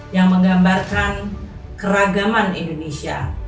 yang menggambarkan keragaman indonesia